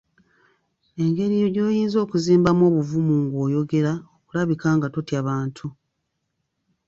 Engeri gy’oyinza okuzimbamu obuvumu ng’oyogera okulabika nga totya bantu.